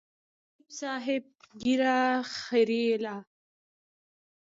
نقیب صاحب ږیره خریله.